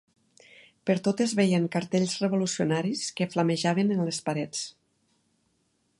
Pertot es veien cartells revolucionaris, que flamejaven en les parets